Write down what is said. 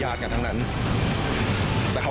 สวัสดีค่ะคุณผู้ชมค่ะเห็นหัวอะไรกันครับ